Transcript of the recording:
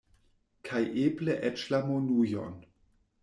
Kaj eble eĉ la monujon.